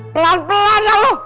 pelan pelan ya lo